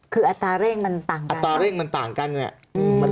คืออัตราเร่งมันต่างกันอัตราเร่งมันต่างกันเนี่ย